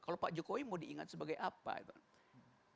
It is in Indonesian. kalau pak jokowi mau diingat sebagai apa itu